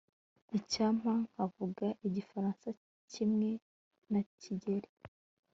icyampa nkavuga igifaransa kimwe na kigeri